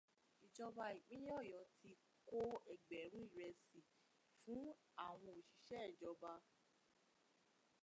Ìjọba ìpínlẹ̀ Ọ̀yọ́ ti kó ẹgbẹ̀rún ìrẹsì fún àwọn òṣìṣẹ́ ìjọba.